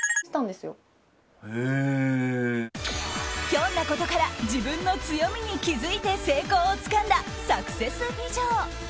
ひょんなことから自分の強みに気づいて成功をつかんだサクセス美女。